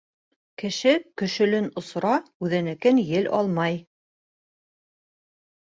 Кеше көшөлөн осора, үҙенекен ел алмай.